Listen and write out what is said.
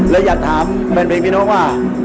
และอยากถามแฟนเพลงพี่น้องว่า